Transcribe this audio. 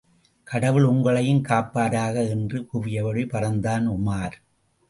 கடவுள் உங்களையும் காப்பாராக! என்று கூவியபடி பறந்தான் உமார்.